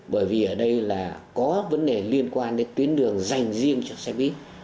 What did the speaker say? bởi vì ở đây là có vấn đề liên quan đến tuyến đường dành riêng cho xe buýt